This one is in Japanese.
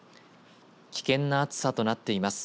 危険な暑さとなっています。